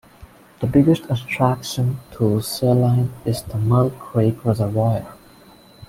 The biggest attraction to Saline is the Mill Creek Reservoir.